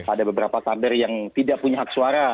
ada beberapa kader yang tidak punya hak suara